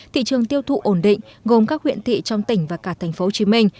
thị trường tiêu thụ ổn định gồm các huyện thị trong tỉnh và cả thành phố hồ chí minh